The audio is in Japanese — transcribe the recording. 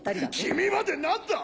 君まで何だ！